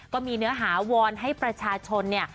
ก็มีเนื้อหาวอนให้ประชาชนเนี่ย